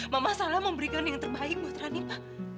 mama salah mau berikan yang terbaik buat rani pa